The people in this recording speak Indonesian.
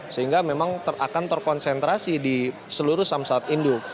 sehingga memang akan terkonsentrasi di seluruh samsat indo